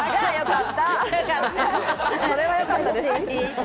それはよかったです。